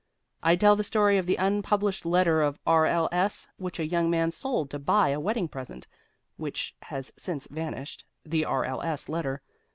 I'd tell the story of the unpublished letter of R.L.S. which a young man sold to buy a wedding present, which has since vanished (the R.L.S. letter).